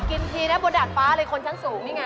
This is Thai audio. กินทีนะบนดาดคำตาคำบริคอนชั้นสูงนี่ไง